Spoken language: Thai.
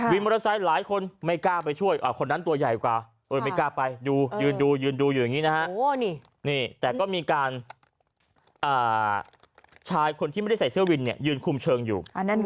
มอเตอร์ไซค์หลายคนไม่กล้าไปช่วยคนนั้นตัวใหญ่กว่าไม่กล้าไปดูยืนดูยืนดูอยู่อย่างนี้นะฮะแต่ก็มีการชายคนที่ไม่ได้ใส่เสื้อวินยืนคุมเชิงอยู่